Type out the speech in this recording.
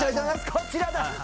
こちらですわ。